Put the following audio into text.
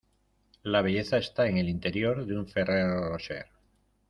La belleza está en el interior de un Ferrero Rocher.